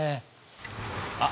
あっ！